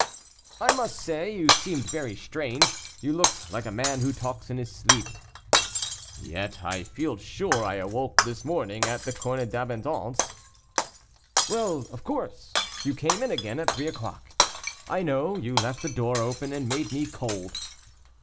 "I must say you seemed very strange; you looked like a man who talks in his sleep." "Yet, I feel sure I awoke this morning at the Corne d'Abondance." "Well, of course; you came in again at three o'clock. I know; you left the door open, and made me cold."